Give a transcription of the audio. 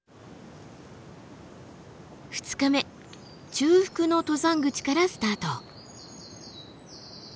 中腹の登山口からスタート。